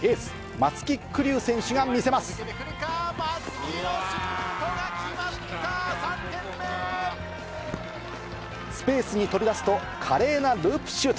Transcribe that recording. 松木のシュートが決まった、スペースに飛び出すと、華麗なループシュート。